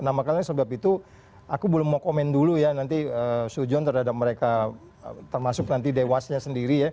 nah makanya sebab itu aku belum mau komen dulu ya nanti sujon terhadap mereka termasuk nanti dewasnya sendiri ya